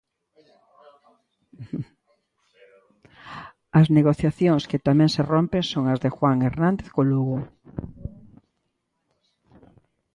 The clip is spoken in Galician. As negociacións que tamén se rompen son as de Juan Hernández co Lugo.